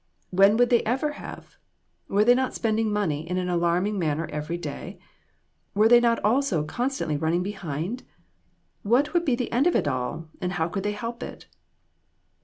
When would they ever have ? Were they not spending money in an alarming manner every day ? Were they not also constantly running behind ? What would be the end of it all and how could they help it